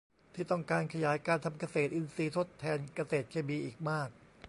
ที่ต้องการขยายการทำเกษตรอินทรีย์ทดแทนเกษตรเคมีอีกมาก